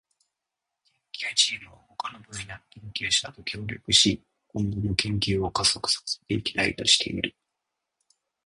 研究チームは他の分野の研究者と協力し、今後も研究を加速させていきたいとしている。